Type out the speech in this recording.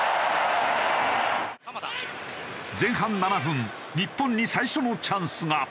前半７分日本に最初のチャンスが。